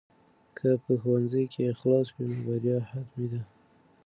که په ښوونځي کې اخلاص وي نو بریا حتمي ده.